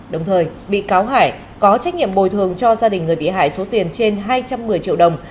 đồng thời bị cáo hải có trách nhiệm bồi thường cho gia đình người bị hại số tiền trên hai trăm một mươi triệu đồng